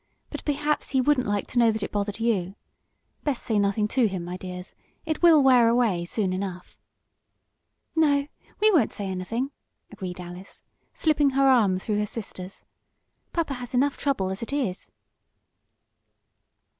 But perhaps he wouldn't like to know that it bothered you. Best say nothing to him, my dears. It will wear away soon enough." "No, we won't say anything," agreed Alice, slipping her arm through her sister's. "Papa has enough trouble as it is."